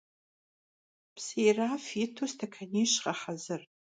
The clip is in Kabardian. Psı yiraf yitu stekaniş ğehezır.